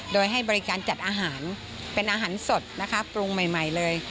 โดยให้บริการจัดอาหารเป็นอาหารสดนะคะปรุงใหม่เลย